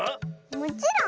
もちろん。